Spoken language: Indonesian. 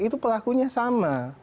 itu pelakunya sama